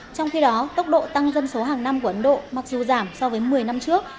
trong khi đó tốc độ tăng dân số hàng năm của ấn độ mặc dù giảm so với một mươi năm trước